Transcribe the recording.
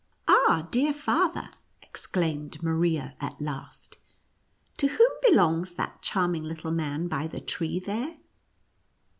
" Ah, dear father," exclaimed Maria at last, "to whom belongs that charming little man by the tree there